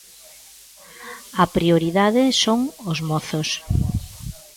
A prioridade son os mozos.